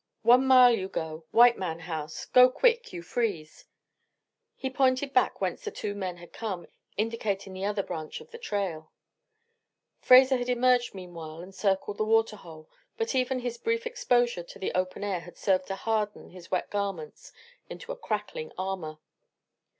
"One mile you go white man house. Go quick you freeze." He pointed back whence the two men had come, indicating the other branch of the trail. Fraser had emerged meanwhile and circled the water hole, but even this brief exposure to the open air had served to harden his wet garments into a crackling armor.